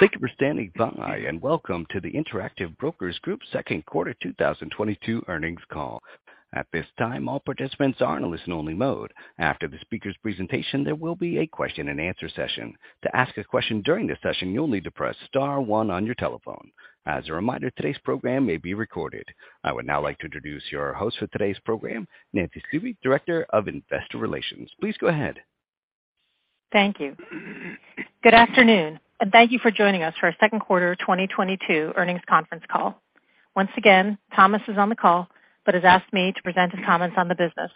Thank you for standing by, and welcome to the Interactive Brokers Group's Second Quarter 2022 Earnings Call. At this time, all participants are in a listen-only mode. After the speaker's presentation, there will be a question-and-answer session. To ask a question during this session, you'll need to press star one on your telephone. As a reminder, today's program may be recorded. I would now like to introduce your host for today's program, Nancy Stuebe, Director of Investor Relations. Please go ahead. Thank you. Good afternoon, and thank you for joining us for our second quarter 2022 earnings conference call. Once again, Thomas is on the call but has asked me to present his comments on the business.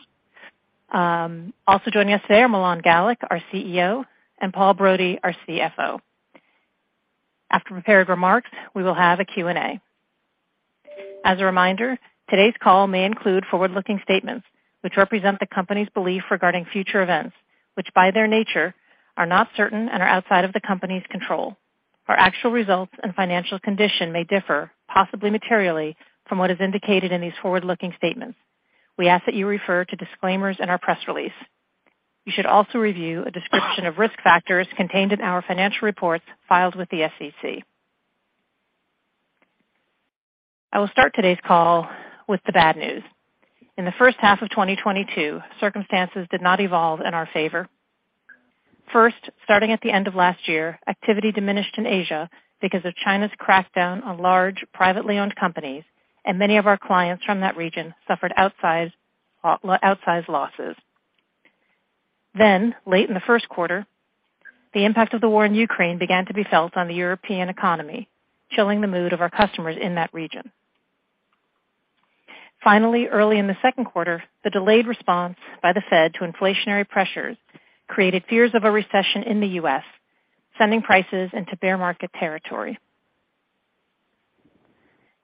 Also joining us today are Milan Galik, our CEO, and Paul Brody, our CFO. After prepared remarks, we will have a Q&A. As a reminder, today's call may include forward-looking statements which represent the company's belief regarding future events, which, by their nature, are not certain and are outside of the company's control. Our actual results and financial condition may differ, possibly materially, from what is indicated in these forward-looking statements. We ask that you refer to disclaimers in our press release. You should also review a description of risk factors contained in our financial reports filed with the SEC. I will start today's call with the bad news. In the first half of 2022, circumstances did not evolve in our favor. First, starting at the end of last year, activity diminished in Asia because of China's crackdown on large privately owned companies, and many of our clients from that region suffered outsized losses. Late in the first quarter, the impact of the war in Ukraine began to be felt on the European economy, chilling the mood of our customers in that region. Finally, early in the second quarter, the delayed response by the Fed to inflationary pressures created fears of a recession in the U.S., sending prices into bear market territory.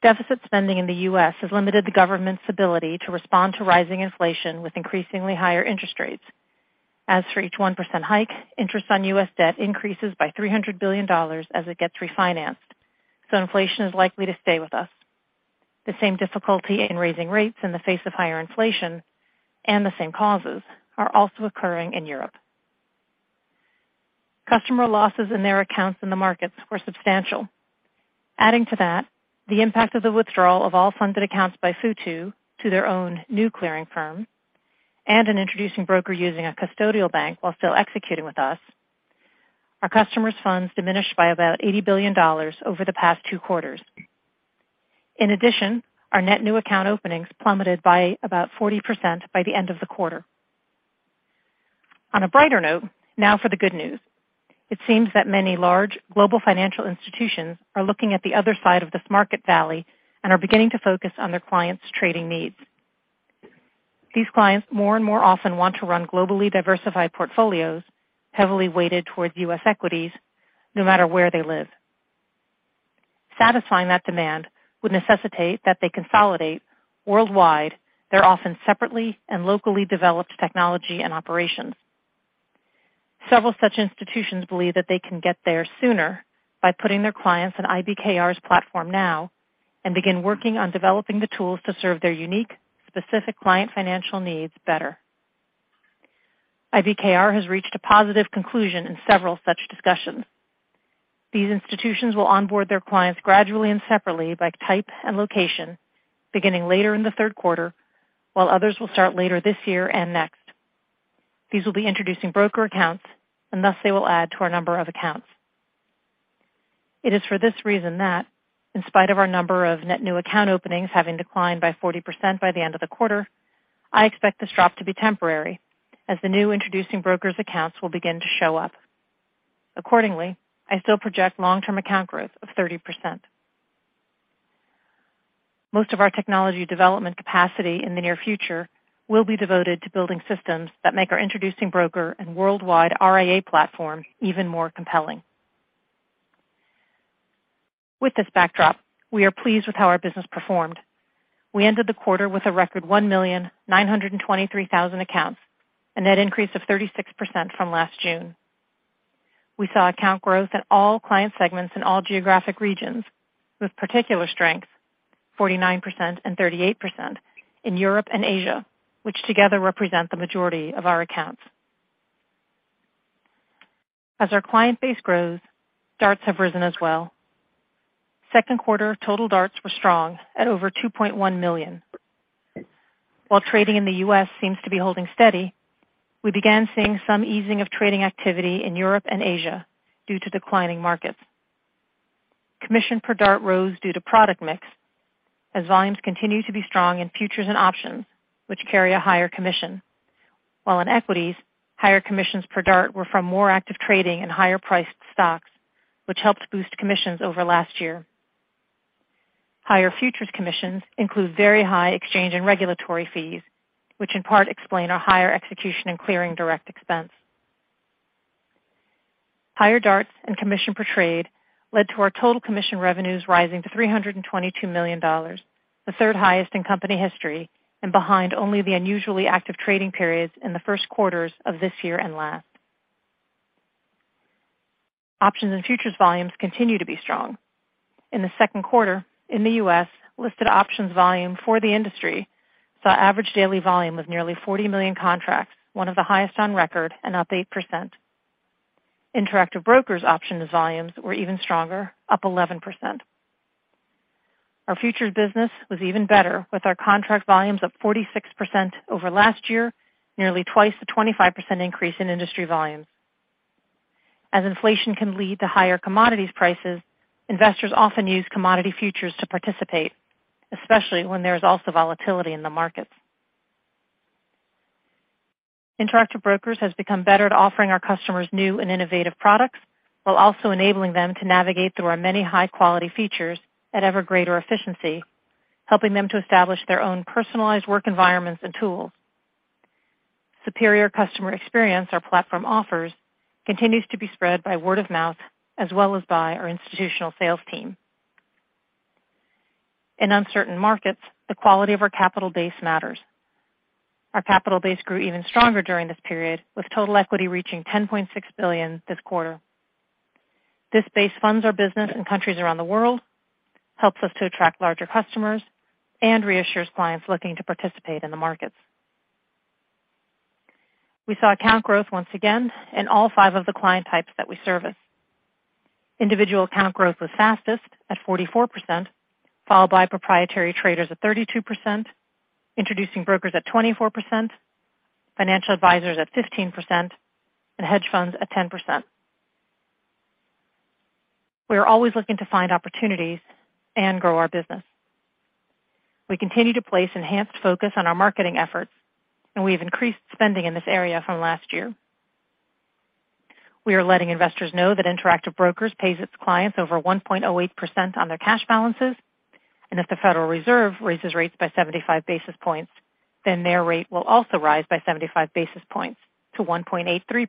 Deficit spending in the U.S. has limited the government's ability to respond to rising inflation with increasingly higher interest rates. As for each 1% hike, interest on U.S. debt increases by $300 billion as it gets refinanced, so inflation is likely to stay with us. The same difficulty in raising rates in the face of higher inflation, and the same causes, are also occurring in Europe. Customer losses in their accounts in the markets were substantial. Adding to that, the impact of the withdrawal of all funded accounts by Futu to their own new clearing firm and an introducing broker using a custodial bank while still executing with us, our customers' funds diminished by about $80 billion over the past two quarters. In addition, our net new account openings plummeted by about 40% by the end of the quarter. On a brighter note, now for the good news. It seems that many large global financial institutions are looking at the other side of this market valley and are beginning to focus on their clients' trading needs. These clients more and more often want to run globally diversified portfolios heavily weighted towards U.S. equities, no matter where they live. Satisfying that demand would necessitate that they consolidate worldwide their often separately and locally developed technology and operations. Several such institutions believe that they can get there sooner by putting their clients in IBKR's platform now and begin working on developing the tools to serve their unique, specific client financial needs better. IBKR has reached a positive conclusion in several such discussions. These institutions will onboard their clients gradually and separately by type and location beginning later in the third quarter, while others will start later this year and next. These will be introducing broker accounts, and thus they will add to our number of accounts. It is for this reason that, in spite of our number of net new account openings having declined by 40% by the end of the quarter, I expect this drop to be temporary as the new introducing brokers' accounts will begin to show up. Accordingly, I still project long-term account growth of 30%. Most of our technology development capacity in the near future will be devoted to building systems that make our introducing broker and worldwide RIA platform even more compelling. With this backdrop, we are pleased with how our business performed. We ended the quarter with a record 1,923,000 accounts, a net increase of 36% from last June. We saw account growth in all client segments in all geographic regions, with particular strength, 49% and 38%, in Europe and Asia, which together represent the majority of our accounts. As our client base grows, DARTs have risen as well. Second quarter total DARTs were strong at over 2.1 million. While trading in the U.S. seems to be holding steady, we began seeing some easing of trading activity in Europe and Asia due to declining markets. Commission per DART rose due to product mix as volumes continue to be strong in futures and options which carry a higher commission. While in equities, higher commissions per DART were from more active trading and higher priced stocks, which helped boost commissions over last year. Higher futures commissions include very high exchange and regulatory fees, which in part explain our higher execution and clearing direct expense. Higher DARTs and commission per trade led to our total commission revenues rising to $322 million, the third-highest in company history, and behind only the unusually active trading periods in the first quarters of this year and last. Options and futures volumes continue to be strong. In the second quarter in the U.S., listed options volume for the industry saw average daily volume of nearly 40 million contracts, one of the highest on record and up 8%. Interactive Brokers options volumes were even stronger, up 11%. Our futures business was even better, with our contract volumes up 46% over last year, nearly twice the 25% increase in industry volumes. As inflation can lead to higher commodities prices, investors often use commodity futures to participate, especially when there's also volatility in the markets. Interactive Brokers has become better at offering our customers new and innovative products while also enabling them to navigate through our many high-quality features at ever greater efficiency, helping them to establish their own personalized work environments and tools. Superior customer experience our platform offers continues to be spread by word of mouth as well as by our institutional sales team. In uncertain markets, the quality of our capital base matters. Our capital base grew even stronger during this period, with total equity reaching $10.6 billion this quarter. This base funds our business in countries around the world, helps us to attract larger customers, and reassures clients looking to participate in the markets. We saw account growth once again in all five of the client types that we service. Individual account growth was fastest at 44%, followed by proprietary traders at 32%, introducing brokers at 24%, financial advisors at 15%, and hedge funds at 10%. We are always looking to find opportunities and grow our business. We continue to place enhanced focus on our marketing efforts, and we have increased spending in this area from last year. We are letting investors know that Interactive Brokers pays its clients over 1.8% on their cash balances, and if the Federal Reserve raises rates by 75 basis points, then their rate will also rise by 75 basis points to 1.83%.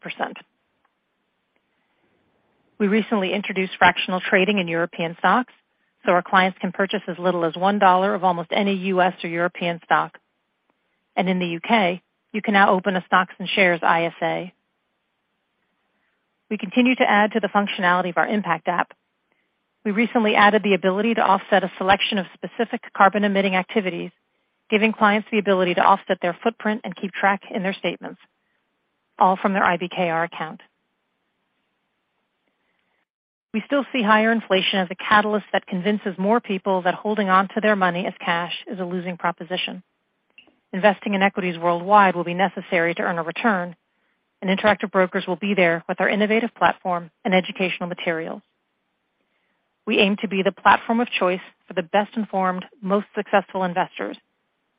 We recently introduced fractional trading in European stocks, so our clients can purchase as little as $1 of almost any U.S. or European stock. In the U.K., you can now open a stocks and shares ISA. We continue to add to the functionality of our Impact app. We recently added the ability to offset a selection of specific carbon emitting activities, giving clients the ability to offset their footprint and keep track in their statements, all from their IBKR account. We still see higher inflation as a catalyst that convinces more people that holding on to their money as cash is a losing proposition. Investing in equities worldwide will be necessary to earn a return, and Interactive Brokers will be there with our innovative platform and educational materials. We aim to be the platform of choice for the best informed, most successful investors,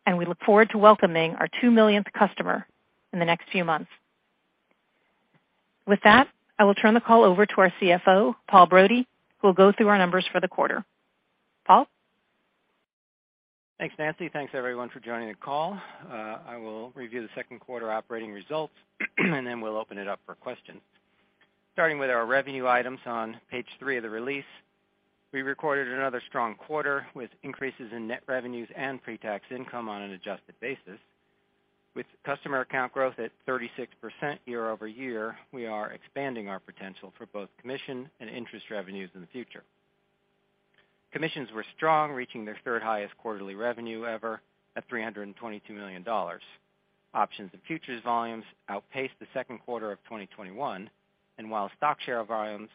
and we look forward to welcoming our 2 millionth customer in the next few months. With that, I will turn the call over to our CFO, Paul Brody, who will go through our numbers for the quarter. Paul? Thanks, Nancy. Thanks, everyone, for joining the call. I will review the second quarter operating results, and then we'll open it up for questions. Starting with our revenue items on page three of the release, we recorded another strong quarter with increases in net revenues and pretax income on an adjusted basis. With customer account growth at 36% year-over-year, we are expanding our potential for both commission and interest revenues in the future. Commissions were strong, reaching their third-highest quarterly revenue ever at $322 million. Options and futures volumes outpaced the second quarter of 2021, and while stock share volumes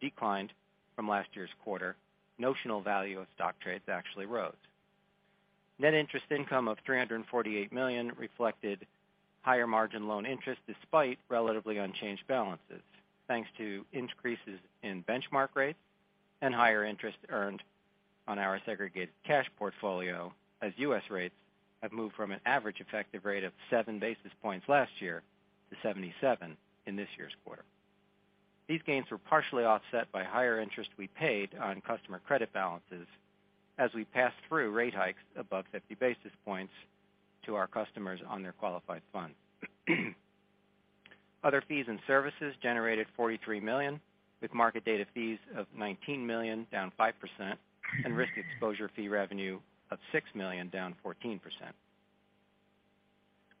declined from last year's quarter, notional value of stock trades actually rose. Net interest income of $348 million reflected higher margin loan interest despite relatively unchanged balances, thanks to increases in benchmark rates and higher interest earned on our segregated cash portfolio as U.S. rates have moved from an average effective rate of 7 basis points last year to 77 basis points in this year's quarter. These gains were partially offset by higher interest we paid on customer credit balances as we passed through rate hikes above 50 basis points to our customers on their qualified funds. Other fees and services generated $43 million, with market data fees of $19 million, down 5%, and risk exposure fee revenue of $6 million, down 14%.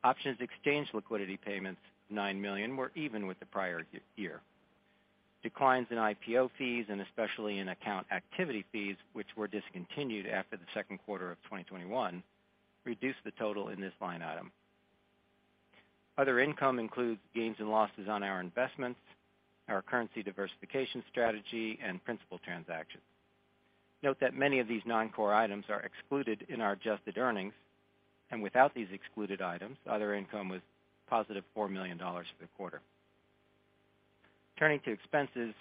Options exchange liquidity payments, $9 million, were even with the prior year. Declines in IPO fees and especially in account activity fees, which were discontinued after the second quarter of 2021, reduced the total in this line item. Other income includes gains and losses on our investments, our currency diversification strategy, and principal transactions. Note that many of these non-core items are excluded in our adjusted earnings, and without these excluded items, other income was positive $4 million for the quarter. Turning to expenses,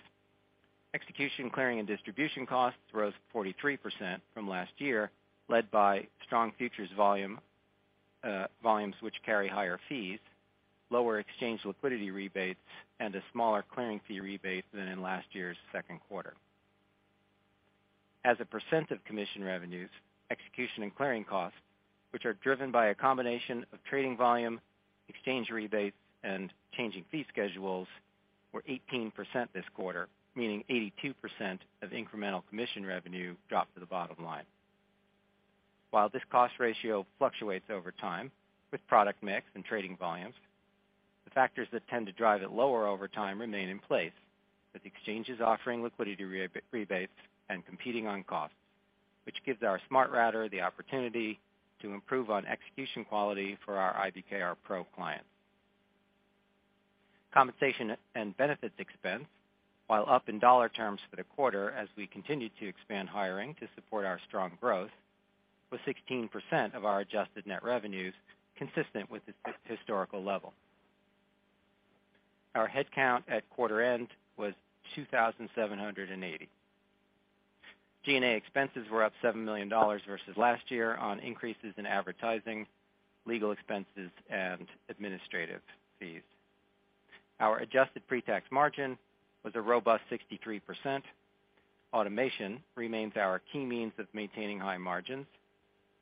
execution, clearing, and distribution costs rose 43% from last year, led by strong futures volumes which carry higher fees, lower exchange liquidity rebates, and a smaller clearing fee rebate than in last year's second quarter. As a percent of commission revenues, execution and clearing costs, which are driven by a combination of trading volume, exchange rebates, and changing fee schedules, were 18% this quarter, meaning 82% of incremental commission revenue dropped to the bottom line. While this cost ratio fluctuates over time with product mix and trading volumes, the factors that tend to drive it lower over time remain in place, with exchanges offering liquidity rebates and competing on costs, which gives our SmartRouting the opportunity to improve on execution quality for our IBKR Pro clients. Compensation and benefits expense, while up in dollar terms for the quarter as we continue to expand hiring to support our strong growth, was 16% of our adjusted net revenues, consistent with its historical level. Our head count at quarter end was 2,780. G&A expenses were up $7 million versus last year on increases in advertising, legal expenses, and administrative fees. Our adjusted pre-tax margin was a robust 63%. Automation remains our key means of maintaining high margins,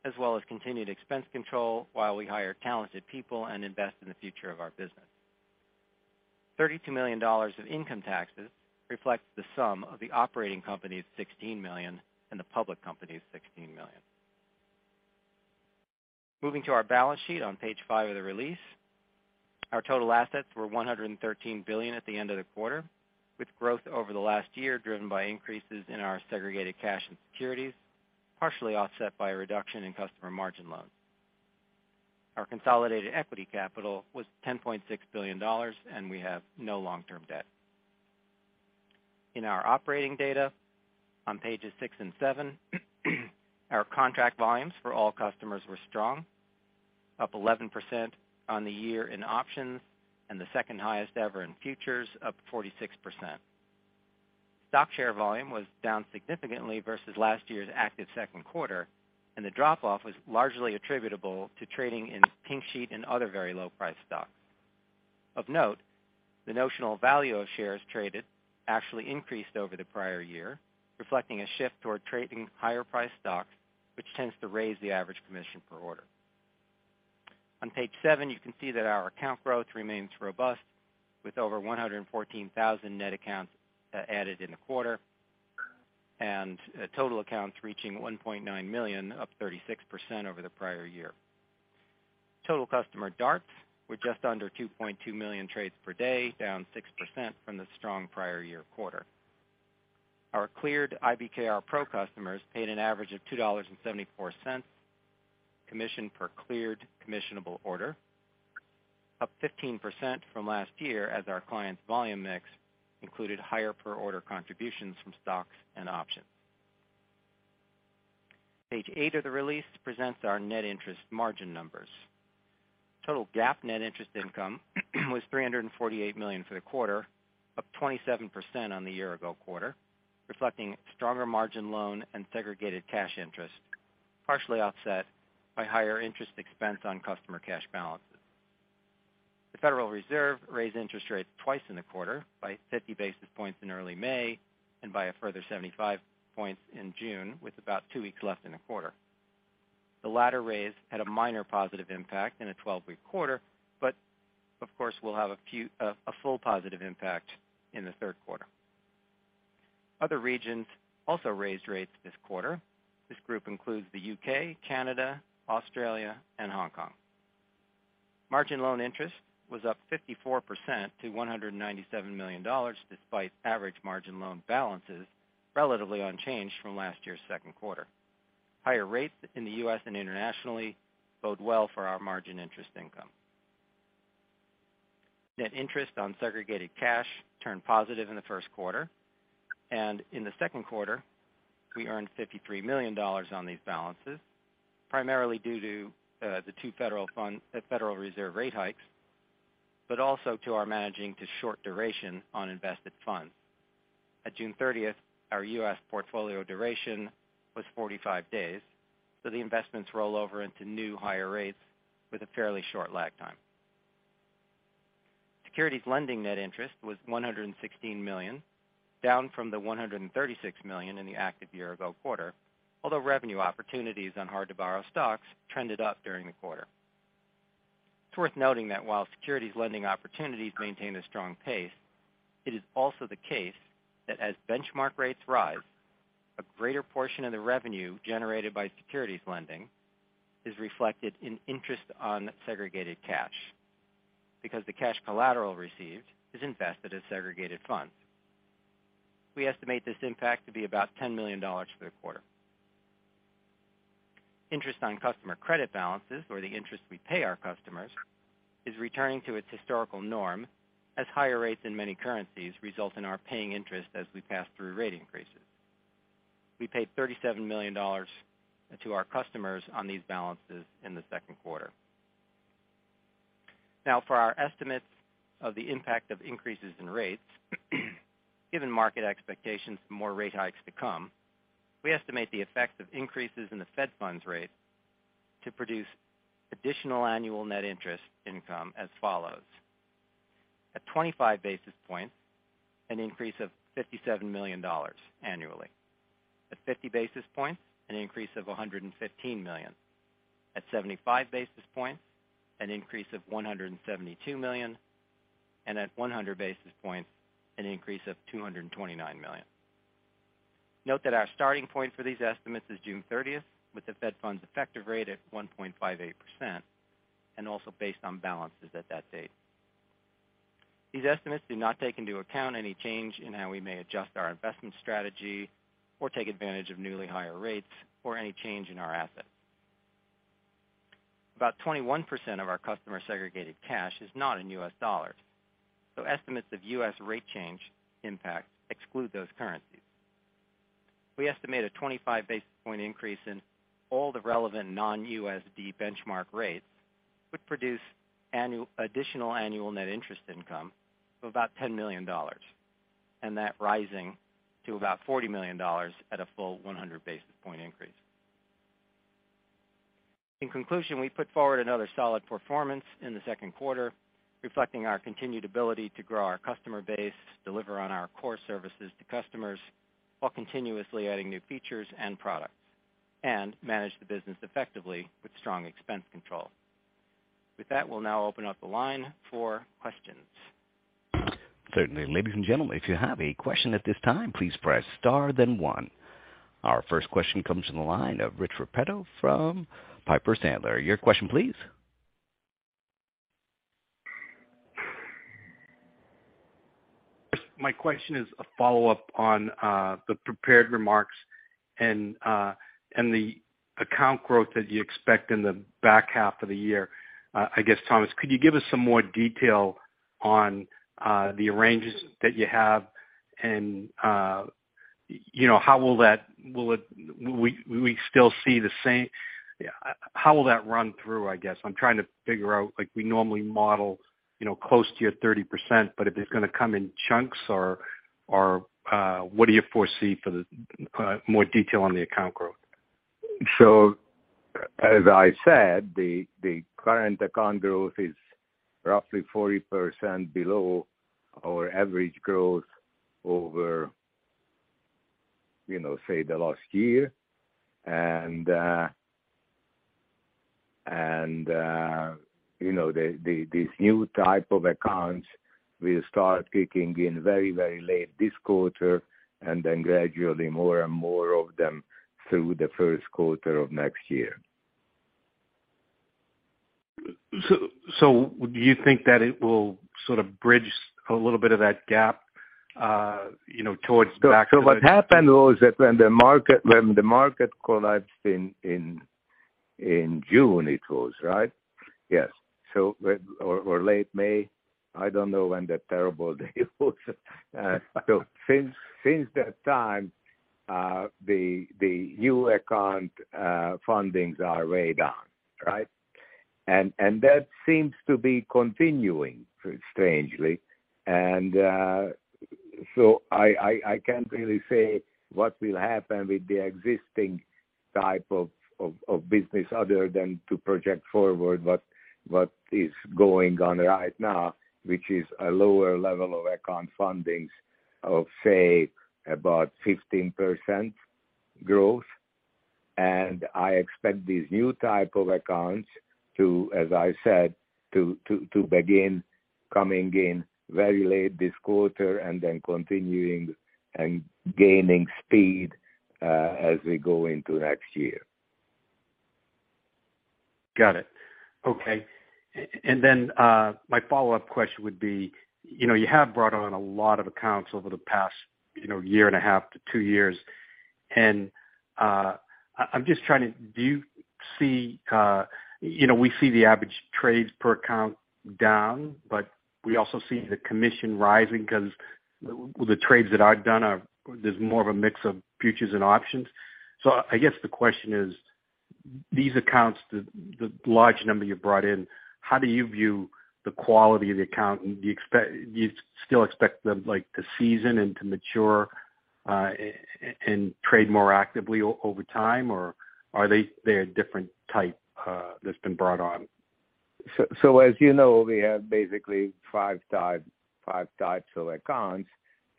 as well as continued expense control while we hire talented people and invest in the future of our business. $32 million of income taxes reflects the sum of the operating company's $16 million and the public company's $16 million. Moving to our balance sheet on page five of the release. Our total assets were $113 billion at the end of the quarter, with growth over the last year driven by increases in our segregated cash and securities, partially offset by a reduction in customer margin loans. Our consolidated equity capital was $10.6 billion, and we have no long-term debt. In our operating data on pages six and seven, our contract volumes for all customers were strong, up 11% on the year in options and the second highest ever in futures, up 46%. Stock share volume was down significantly versus last year's active second quarter, and the drop-off was largely attributable to trading in pink sheet and other very low-priced stocks. Of note, the notional value of shares traded actually increased over the prior year, reflecting a shift toward trading higher priced stocks, which tends to raise the average commission per order. On page seven, you can see that our account growth remains robust, with over 114,000 net accounts added in the quarter and total accounts reaching 1.9 million, up 36% over the prior year. Total customer DARTs were just under 2.2 million trades per day, down 6% from the strong prior-year quarter. Our cleared IBKR Pro customers paid an average of $2.74 commission per cleared commissionable order, up 15% from last year as our clients' volume mix included higher per order contributions from stocks and options. Page eight of the release presents our net interest margin numbers. Total GAAP net interest income was $348 million for the quarter, up 27% on the year-ago quarter, reflecting stronger margin loan and segregated cash interest, partially offset by higher interest expense on customer cash balances. The Federal Reserve raised interest rates twice in the quarter by 50 basis points in early May and by a further 75 points in June, with about two weeks left in the quarter. The latter raise had a minor positive impact in a 12-week quarter, but of course will have a full positive impact in the third quarter. Other regions also raised rates this quarter. This group includes the U.K., Canada, Australia, and Hong Kong. Margin loan interest was up 54% to $197 million, despite average margin loan balances relatively unchanged from last year's second quarter. Higher rates in the U.S. and internationally bode well for our margin interest income. Net interest on segregated cash turned positive in the first quarter. In the second quarter, we earned $53 million on these balances, primarily due to the two Federal Reserve rate hikes, but also to our managing to short duration on invested funds. At June 30th, our U.S. portfolio duration was 45 days, so the investments roll over into new higher rates with a fairly short lag time. Securities lending net interest was $116 million, down from the $136 million in the same year-ago quarter. Although revenue opportunities on hard-to-borrow stocks trended up during the quarter. It's worth noting that while securities lending opportunities maintain a strong pace, it is also the case that as benchmark rates rise, a greater portion of the revenue generated by securities lending is reflected in interest on segregated cash, because the cash collateral received is invested as segregated funds. We estimate this impact to be about $10 million for the quarter. Interest on customer credit balances, or the interest we pay our customers, is returning to its historical norm as higher rates in many currencies result in our paying interest as we pass through rate increases. We paid $37 million to our customers on these balances in the second quarter. Now, for our estimates of the impact of increases in rates, given market expectations for more rate hikes to come, we estimate the effects of increases in the Fed funds rate to produce additional annual net interest income as follows: at 25 basis points, an increase of $57 million annually. At 50 basis points, an increase of $115 million. At 75 basis points, an increase of $172 million, and at 100 basis points, an increase of $229 million. Note that our starting point for these estimates is June 30th, with the Fed funds effective rate at 1.58% and also based on balances at that date. These estimates do not take into account any change in how we may adjust our investment strategy or take advantage of newly higher rates or any change in our assets. About 21% of our customer segregated cash is not in U.S. dollars, so estimates of U.S. rate change impact exclude those currencies. We estimate a 25 basis point increase in all the relevant non-USD benchmark rates would produce additional annual net interest income of about $10 million, and that rising to about $40 million at a full 100 basis point increase. In conclusion, we put forward another solid performance in the second quarter, reflecting our continued ability to grow our customer base, deliver on our core services to customers while continuously adding new features and products, and manage the business effectively with strong expense control. With that, we'll now open up the line for questions. Certainly. Ladies and gentlemen, if you have a question at this time, please press star then one. Our first question comes from the line of Rich Repetto from Piper Sandler. Your question, please. My question is a follow-up on the prepared remarks and the account growth that you expect in the back half of the year. I guess, Thomas, could you give us some more detail on the arrangements that you have and you know, how will that. Will we still see the same? How will that run through, I guess? I'm trying to figure out, like, we normally model, you know, close to your 30%, but if it's gonna come in chunks or what do you foresee for the more detail on the account growth? As I said, the current account growth is roughly 40% below our average growth over, you know, say the last year. You know, this new type of accounts will start kicking in very late this quarter and then gradually more and more of them through the first quarter of next year. Do you think that it will sort of bridge a little bit of that gap, you know, towards the back half of the? What happened was that when the market collapsed in June or late May. I don't know when that terrible day was. Since that time, the new account fundings are way down, right? And that seems to be continuing, strangely. I can't really say what will happen with the existing type of business other than to project forward what is going on right now, which is a lower level of account fundings of, say, about 15% growth. I expect these new type of accounts to, as I said, begin coming in very late this quarter and then continuing and gaining speed, as we go into next year. Got it. Okay. Then, my follow-up question would be, you know, you have brought on a lot of accounts over the past, you know, year and a half to two years. I'm just trying to do you see. You know, we see the average trades per account down, but we also see the commission rising because, well, the trades that are done are, there's more of a mix of futures and options. I guess the question is, these accounts, the large number you brought in, how do you view the quality of the account? Do you still expect them, like, to season and to mature, and trade more actively over time, or are they're a different type that's been brought on? As you know, we have basically five types of accounts.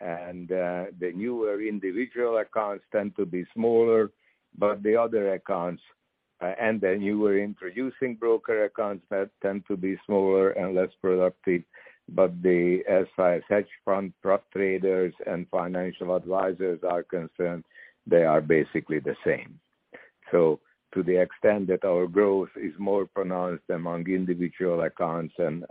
The newer individual accounts tend to be smaller, but the other accounts and the newer introducing broker accounts tend to be smaller and less productive. As far as hedge fund prop traders and financial advisors are concerned, they are basically the same. To the extent that our growth is more pronounced among individual accounts and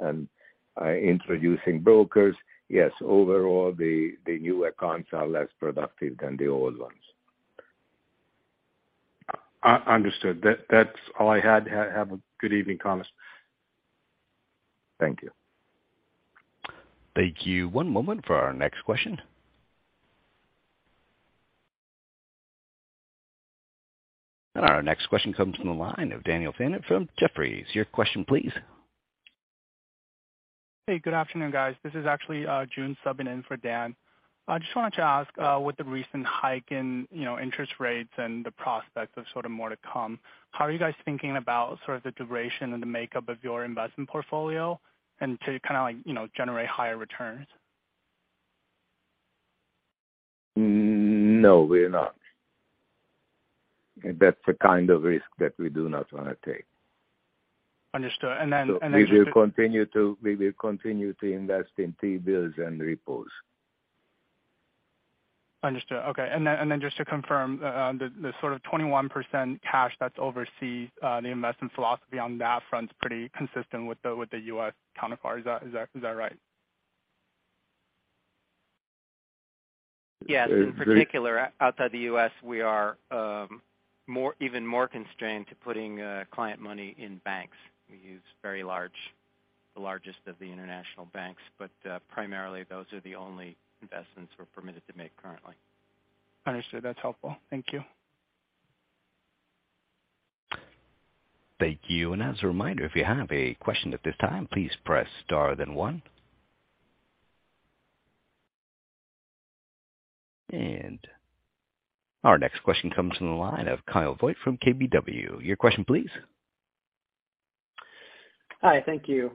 introducing brokers, yes, overall the new accounts are less productive than the old ones. Understood. That, that's all I had. Have a good evening, Thomas. Thank you. Thank you. One moment for our next question. Our next question comes from the line of Daniel Fannon from Jefferies. Your question, please. Hey, good afternoon, guys. This is actually, Jun subbing in for Dan. I just wanted to ask, with the recent hike in, you know, interest rates and the prospect of sort of more to come, how are you guys thinking about sort of the duration and the makeup of your investment portfolio and to kinda like, you know, generate higher returns? No, we're not. That's the kind of risk that we do not wanna take. Understood. We will continue to invest in T-bills and repos. Understood. Okay. Just to confirm, the sort of 21% cash that's overseas, the investment philosophy on that front's pretty consistent with the U.S. counterpart. Is that right? Uh, Gre- Yes. In particular, outside the U.S. We are even more constrained to putting client money in banks. We use very large, the largest of the international banks, but primarily those are the only investments we're permitted to make currently. Understood. That's helpful. Thank you. Thank you. As a reminder, if you have a question at this time, please press star then one. Our next question comes from the line of Kyle Voigt from KBW. Your question please. Hi. Thank you.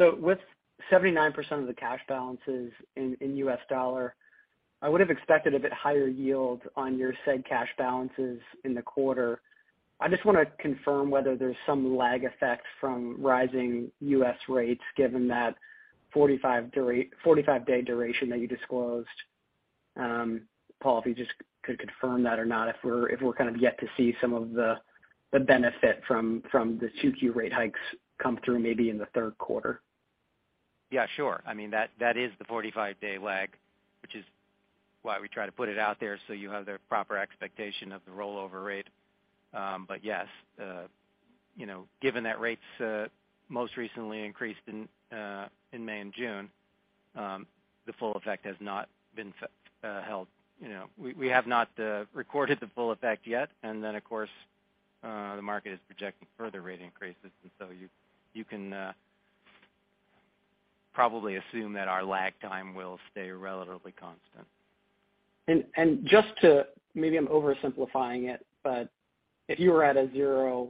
With 79% of the cash balances in U.S. dollar, I would have expected a bit higher yield on your cash balances in the quarter. I just wanna confirm whether there's some lag effects from rising U.S. rates given that 45-day duration that you disclosed. Paul, if you just could confirm that or not, if we're kind of yet to see some of the benefit from the 2Q rate hikes come through maybe in the third quarter. Yeah, sure. I mean, that is the 45-day lag, which is why we try to put it out there so you have the proper expectation of the rollover rate. Yes, you know, given that rates most recently increased in May and June, the full effect has not been felt. You know, we have not recorded the full effect yet. Of course, the market is projecting further rate increases. You can probably assume that our lag time will stay relatively constant. Maybe I'm oversimplifying it, but if you were at a zero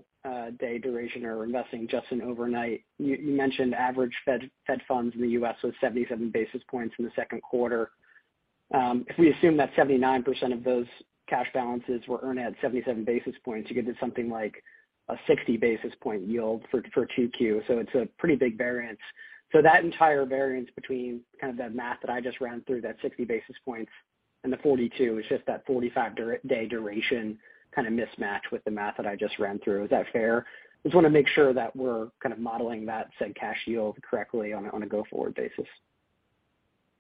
day duration or investing just in overnight, you mentioned average Fed funds in the U.S. was 77 basis points in the second quarter. If we assume that 79% of those cash balances were earned at 77 basis points, you get to something like a 60 basis point yield for 2Q. It's a pretty big variance. That entire variance between kind of the math that I just ran through, that 60 basis points and the 42 is just that 45 day duration kind of mismatch with the math that I just ran through. Is that fair? Just wanna make sure that we're kind of modeling that cash yield correctly on a go-forward basis.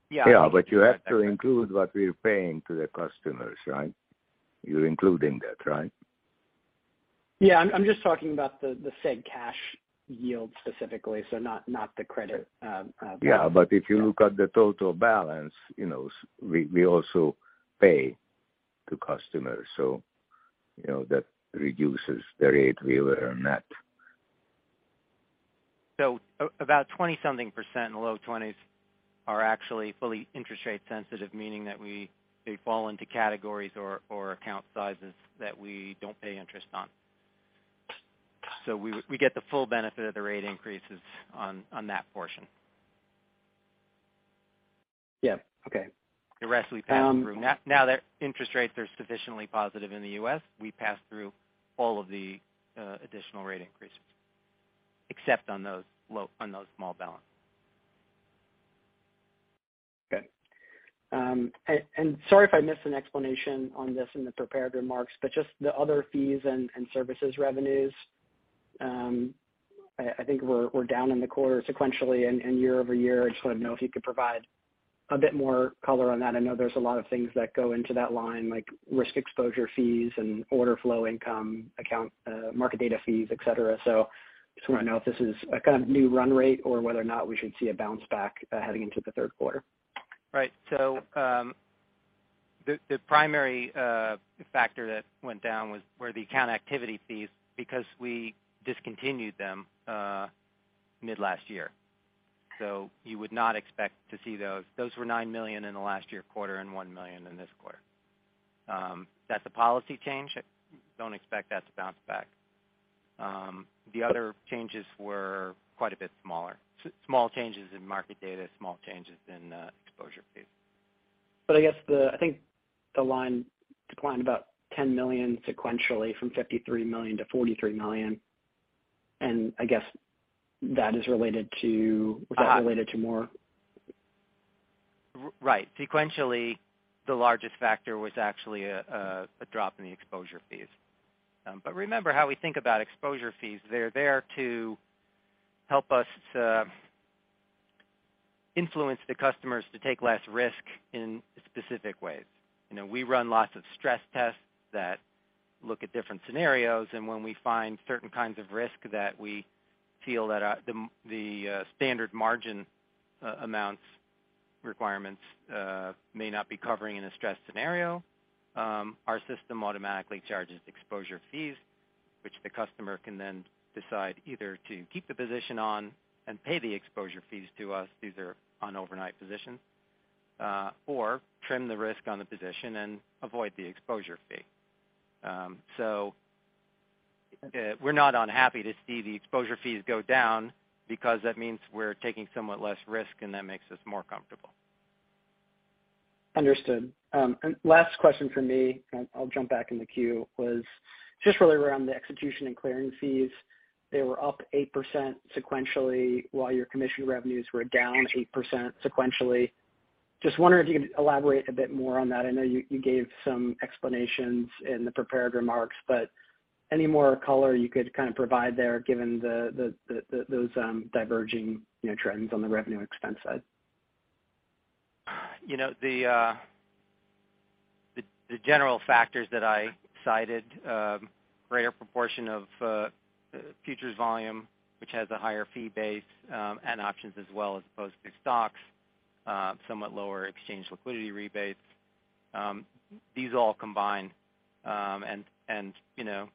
Yeah. Yeah, you have to include what we're paying to the customers, right? You're including that, right? Yeah. I'm just talking about the said cash yield specifically, so not the credit. Yeah. If you look at the total balance, you know, we also pay to customers. You know, that reduces the rate we will earn net. About 20-something percent, in the low 20s%, are actually fully interest rate sensitive, meaning that they fall into categories or account sizes that we don't pay interest on. We get the full benefit of the rate increases on that portion. Yeah. Okay. The rest we pass through. Um- Now that interest rates are sufficiently positive in the U.S., we pass through all of the additional rate increases except on those small balances. Okay. Sorry if I missed an explanation on this in the prepared remarks, but just the other fees and services revenues, I think we're down in the quarter sequentially and year-over-year. I just wanna know if you could provide a bit more color on that. I know there's a lot of things that go into that line, like risk exposure fees and order flow income, account market data fees, et cetera. Just wanna know if this is a kind of new run rate or whether or not we should see a bounce back, heading into the third quarter. The primary factor that went down were the account activity fees because we discontinued them mid last year. You would not expect to see those. Those were $9 million in the last year quarter and $1 million in this quarter. That's a policy change. Don't expect that to bounce back. The other changes were quite a bit smaller. Small changes in market data, small changes in exposure fees. I guess I think the line declined about $10 million sequentially from $53 million-$43 million, and I guess that is related to Uh- Is that related to more? Right. Sequentially, the largest factor was actually a drop in the exposure fees. Remember how we think about exposure fees. They're there to help us influence the customers to take less risk in specific ways. You know, we run lots of stress tests that look at different scenarios, and when we find certain kinds of risk that we feel that the standard margin amounts requirements may not be covering in a stress scenario, our system automatically charges exposure fees, which the customer can then decide either to keep the position on and pay the exposure fees to us, these are on overnight positions, or trim the risk on the position and avoid the exposure fee. We're not unhappy to see the exposure fees go down because that means we're taking somewhat less risk, and that makes us more comfortable. Understood. Last question for me, and I'll jump back in the queue, was just really around the execution and clearing fees. They were up 8% sequentially while your commission revenues were down 8% sequentially. Just wondering if you could elaborate a bit more on that. I know you gave some explanations in the prepared remarks, but any more color you could kind of provide there, given those diverging, you know, trends on the revenue expense side? You know, the general factors that I cited, greater proportion of futures volume, which has a higher fee base, and options as well as opposed to stocks, somewhat lower exchange liquidity rebates. These all combine, and you know,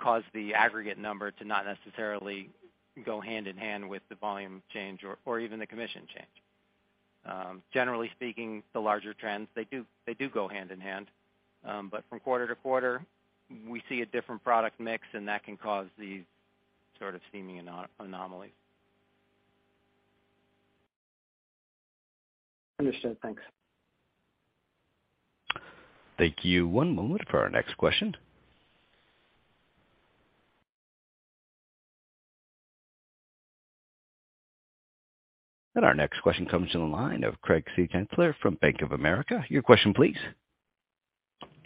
cause the aggregate number to not necessarily go hand in hand with the volume change or even the commission change. Generally speaking, the larger trends, they do go hand in hand. From quarter to quarter, we see a different product mix, and that can cause these sort of seeming anomalies. Understood. Thanks. Thank you. One moment for our next question. Our next question comes to the line of Craig Siegenthaler from Bank of America. Your question, please.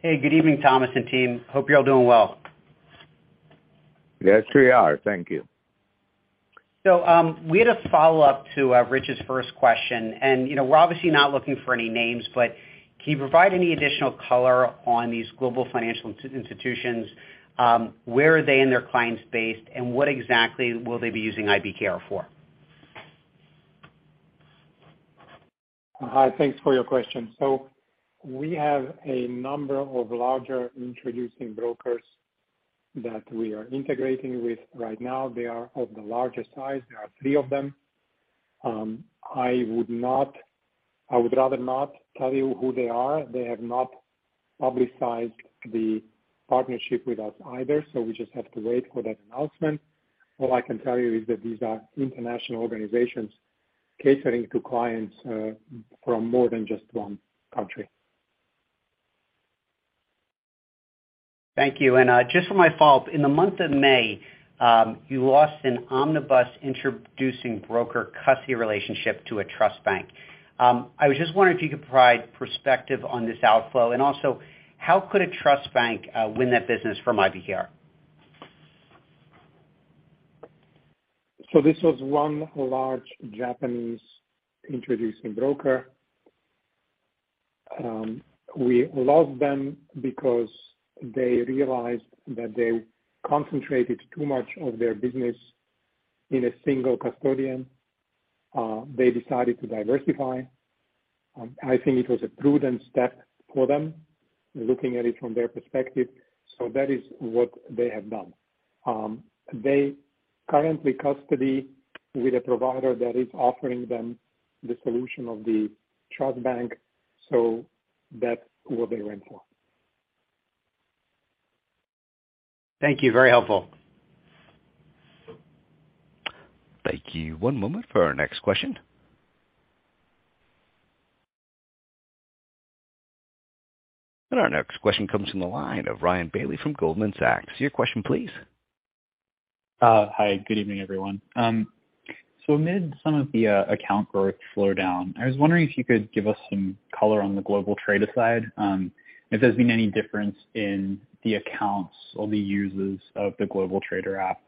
Hey, good evening, Thomas and team. Hope you're all doing well. Yes, we are. Thank you. We had a follow-up to Rich's first question. You know, we're obviously not looking for any names, but can you provide any additional color on these global financial institutions? Where are they in their client base, and what exactly will they be using IBKR for? Hi, thanks for your question. We have a number of larger introducing brokers that we are integrating with right now. They are of the larger size. There are three of them. I would rather not tell you who they are. They have not publicized the partnership with us either, so we just have to wait for that announcement. All I can tell you is that these are international organizations catering to clients from more than just one country. Thank you. Just for my follow-up, in the month of May, you lost an omnibus introducing broker custody relationship to a trust bank. I was just wondering if you could provide perspective on this outflow, and also how could a trust bank win that business from IBKR? This was one large Japanese introducing broker. We lost them because they realized that they concentrated too much of their business in a single custodian. They decided to diversify. I think it was a prudent step for them, looking at it from their perspective. That is what they have done. They currently custody with a provider that is offering them the solution of the trust bank, so that's who they went for. Thank you. Very helpful. Thank you. One moment for our next question. Our next question comes from the line of Ryan Bailey from Goldman Sachs. Your question please. Hi, good evening, everyone. Amid some of the account growth slowdown, I was wondering if you could give us some color on the IBKR GlobalTrader side, if there's been any difference in the accounts or the users of the IBKR GlobalTrader app?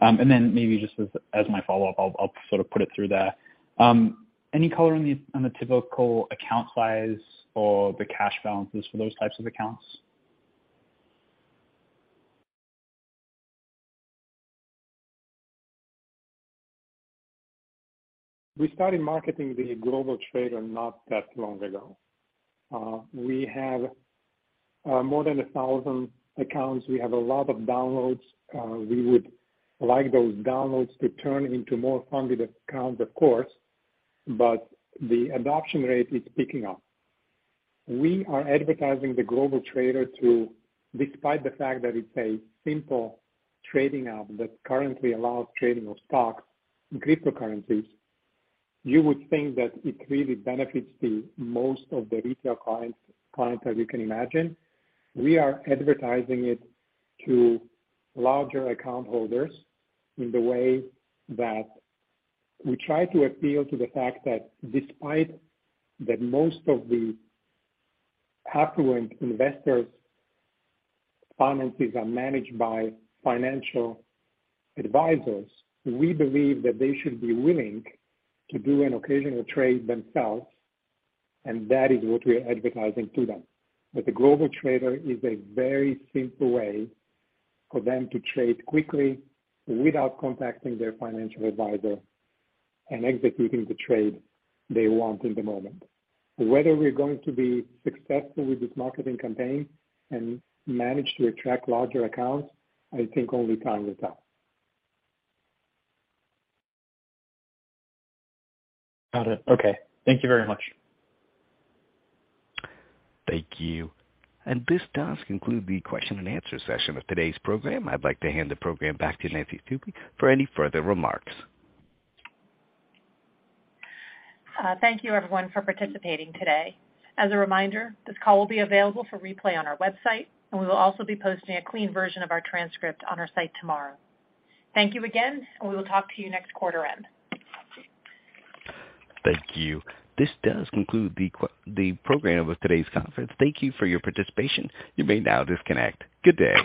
Then maybe just as my follow-up, I'll sort of put it through there. Any color on the typical account size or the cash balances for those types of accounts? We started marketing the IBKR GlobalTrader not that long ago. We have more than 1,000 accounts. We have a lot of downloads. We would like those downloads to turn into more funded accounts, of course, but the adoption rate is picking up. We are advertising the IBKR GlobalTrader, despite the fact that it's a simple trading app that currently allows trading of stocks and cryptocurrencies, you would think that it really benefits most of the retail clients as you can imagine. We are advertising it to larger account holders in the way that we try to appeal to the fact that despite that most of the affluent investors' finances are managed by financial advisors, we believe that they should be willing to do an occasional trade themselves, and that is what we are advertising to them. That the IBKR GlobalTrader is a very simple way for them to trade quickly without contacting their financial advisor and executing the trade they want in the moment. Whether we're going to be successful with this marketing campaign and manage to attract larger accounts, I think only time will tell. Got it. Okay. Thank you very much. Thank you. This does conclude the question and answer session of today's program. I'd like to hand the program back to Nancy Stuebe for any further remarks. Thank you everyone for participating today. As a reminder, this call will be available for replay on our website, and we will also be posting a clean version of our transcript on our site tomorrow. Thank you again, and we will talk to you next quarter end. Thank you. This does conclude the program of today's conference. Thank you for your participation. You may now disconnect. Good day.